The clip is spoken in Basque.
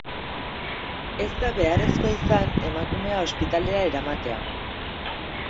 Ez da beharrezkoa izan emakumea ospitalera eramatea.